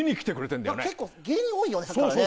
結構芸人が多いよねさっきからね。